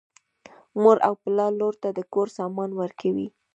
مور او پلار لور ته د کور سامان ورکوي.